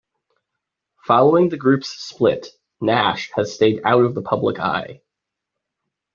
Following the group's split, Nash has stayed out of the public eye.